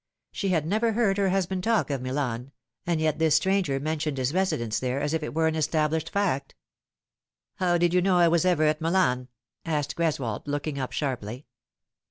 She had never heard her husband talk of Milan, and yet this stranger mentioned his residence there as if it were an established fact. " How did you know I was ever at Milan ?" asked Greswold, looking up sharply.